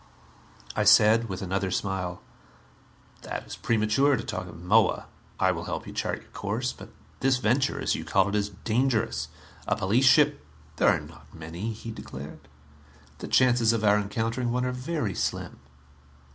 I said, with another smile, "That is premature, to talk of Moa. I will help you chart your course. But this venture, as you call it, is dangerous. A police ship " "There are not many," he declared. "The chances of our encountering one are very slim."